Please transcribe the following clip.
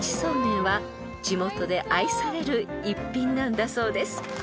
［地元で愛される逸品なんだそうです］